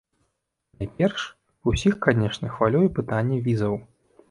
Найперш, усіх, канешне, хвалюе пытанне візаў.